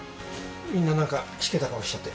みんな何かしけた顔しちゃって。